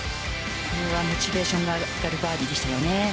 モチベーションが上がるバーディーでしたよね。